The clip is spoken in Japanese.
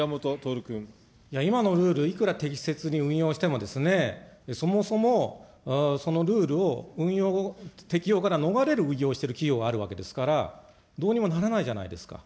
今のルール、いくら適切に運用してもですね、そもそもそのルールを運用を、適用から逃れる運用をしている企業があるわけですから、どうにもならないじゃないですか。